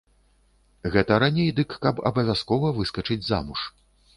Гэта раней дык каб абавязкова выскачыць замуж.